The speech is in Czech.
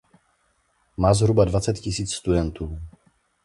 Má zhruba dvacet tisíc studentů.